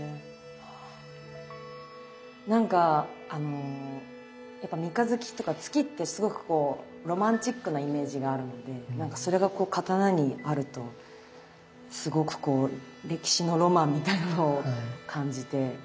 なんかあのやっぱ三日月とか月ってすごくこうロマンチックなイメージがあるのでなんかそれがこう刀にあるとすごくこう歴史のロマンみたいなのを感じて。